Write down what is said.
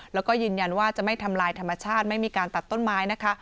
แล้วก็ยืนยันว่าจะไม่ทำลายธรรมชาติไม่มีการตัดต้นไม้นะคะ